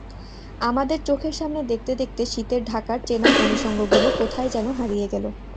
আমাদের চোখের সামনে দেখতে দেখতে শীতের ঢাকার চেনা অনুষঙ্গগুলো কোথায় যেন হারিয়ে গেল।